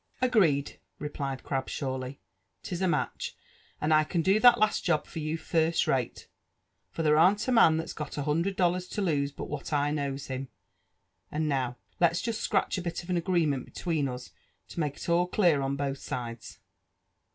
'* Agreed I" replied Grabshawly, <' 'tis a match; and I can do that last job for you first rate, for there arn't a man that's got a hundred dollars to lose but what I knows him. And now, let's just scratch a bit of an agreement between us, to make all clear on both sides."